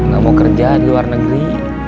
gak mau kerja di luar negeri